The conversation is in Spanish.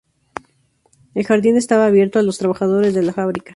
El jardín estaba abierto a los trabajadores de la fábrica.